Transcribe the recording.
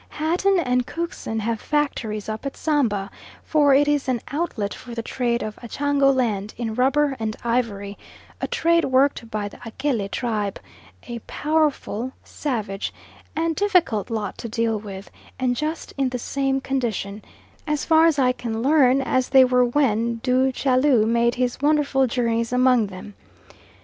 Hatton and Cookson have factories up at Samba, for it is an outlet for the trade of Achango land in rubber and ivory, a trade worked by the Akele tribe, a powerful, savage and difficult lot to deal with, and just in the same condition, as far as I can learn, as they were when Du Chaillu made his wonderful journeys among them.